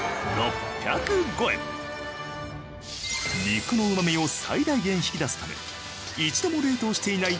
肉のうまみを最大限引き出すため一度も冷凍していない